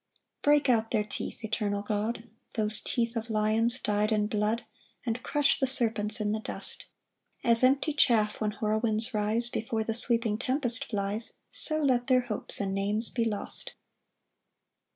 4 Break out their teeth, eternal God, Those teeth of lions dy'd in blood; And crush the serpents in the dust: As empty chaff when whirlwinds rise, Before the sweeping tempest flies, So let their hopes and names be lost.